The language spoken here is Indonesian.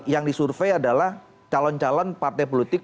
yang disurvey adalah calon calon partai politik